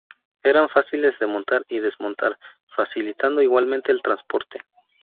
Eran fáciles de montar y desmontar, facilitando igualmente el transporte.